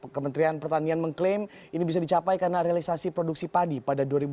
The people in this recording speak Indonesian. kementerian pertanian mengklaim ini bisa dicapai karena realisasi produksi padi pada dua ribu delapan belas